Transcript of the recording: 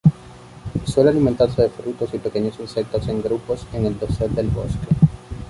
Suele alimentarse de frutos y pequeños insectos, en grupos en el dosel del bosque.